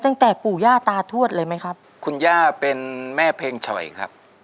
ตั้งแต่ปู่ย่าตาทวดเลยไหมครับคุณย่าเป็นแม่เพลงฉ่อยครับ